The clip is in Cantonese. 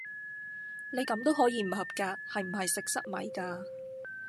你咁都可以唔合格，係唔係食塞米架！